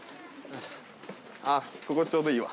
ここちょうどいいわ。